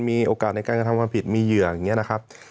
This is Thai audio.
มีโอกาสในการกระทำความผิดมีเหยื่ออย่างนี้นะครับ